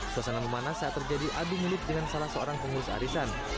suasana memanas saat terjadi adu mulut dengan salah seorang pengurus arisan